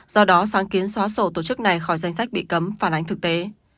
do đó sáng kiến xóa sổ tổ chức này khỏi danh sách bị cấm phản ánh thực tế